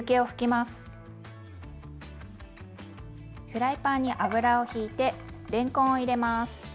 フライパンに油をひいてれんこんを入れます。